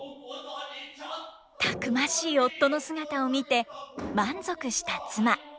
たくましい夫の姿を見て満足した妻。